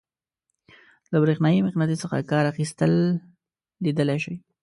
له برېښنايي مقناطیس څخه کار اخیستل لیدلی شئ.